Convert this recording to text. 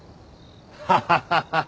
ハハハハ。